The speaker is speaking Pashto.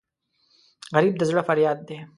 غریب د زړه فریاد دی